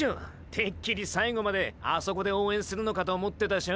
てっきり最後まであそこで応援するのかと思ってたショ。